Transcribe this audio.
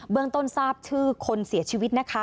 เรื่องต้นทราบชื่อคนเสียชีวิตนะคะ